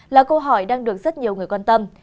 là câu hỏi đang được rất nhiều người quan tâm